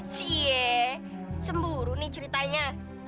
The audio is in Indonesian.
cie semburu nih ceritanya